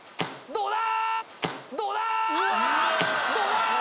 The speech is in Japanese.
どうだ！？